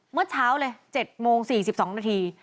เมื่อเช้าเลย๗โมง๔๒นาที